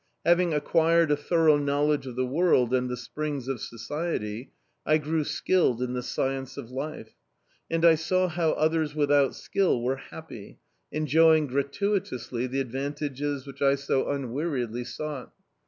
Having acquired a thorough knowledge of the world and the springs of society, I grew skilled in the science of life; and I saw how others without skill were happy, enjoying gratuitously the advantages which I so unweariedly sought.